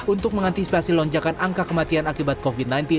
untuk mengantisipasi lonjakan angka kematian akibat covid sembilan belas